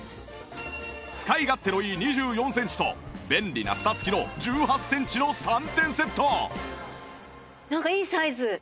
使い勝手のいい２４センチと便利な蓋付きの１８センチの３点セットなんかいいサイズ。